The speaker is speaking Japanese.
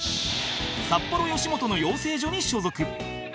札幌よしもとの養成所に所属